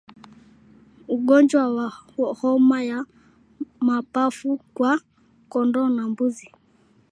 Ugonjwa wa homa ya mapafu kwa kondoo na mbuzi